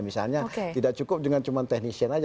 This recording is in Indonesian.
misalnya tidak cukup dengan cuman teknisian aja